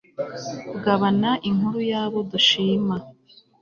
kugabana inkuru y'abo dushima